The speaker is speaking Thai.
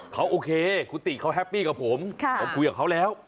เขาโอเคคุณติเขาแฮปปี้กับผมผมคุยกับเขาแล้ว